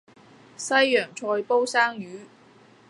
西洋菜煲生魚